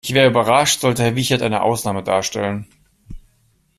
Ich wäre überrascht, sollte Herr Wiechert eine Ausnahme darstellen.